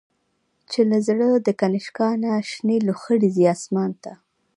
چی له زړه د«کنشکا» نه، شنی لوخړی ځی آسمان ته